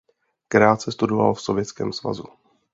Krátce studoval v Sovětském svazu.